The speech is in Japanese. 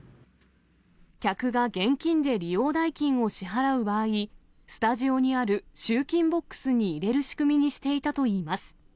客が現金で利用代金を支払う場合、スタジオにある集金ボックスに入れる仕組みにしていたといいます。